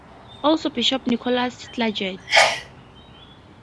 Also Bishop Nicholas Clagett.